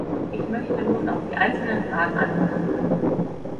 Ich möchte nun auf die einzelnen Fragen antworten.